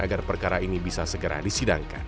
agar perkara ini bisa segera disidangkan